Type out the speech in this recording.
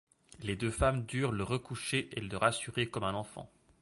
Les deux femmes durent le recoucher et le rassurer comme un enfant.